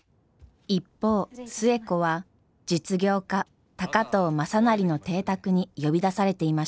一方寿恵子は実業家高藤雅修の邸宅に呼び出されていました。